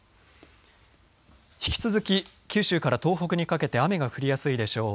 引き続き、九州から東北にかけて雨が降りやすいでしょう。